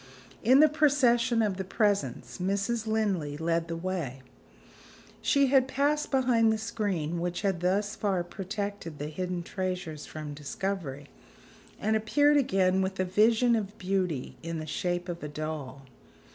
In the procession of the presents, Mrs. Linley led the way. She had passed behind the screen which had thus far protected the hidden treasures from discovery, and appeared again with a vision of beauty in the shape of a doll.